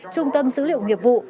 trung tâm dữ liệu nghiệp vụ